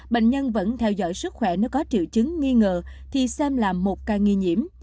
bệnh nhân vẫn theo dõi sức khỏe nếu có triệu chứng nghi ngờ thì xem là một ca nghi nhiễm